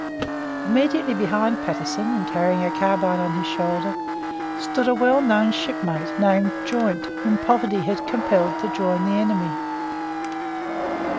Immediately behind Patterson, and carrying a carbine on his shoulder, stood a well known shipmate named Joynt, whom poverty had compelled to join the enemy.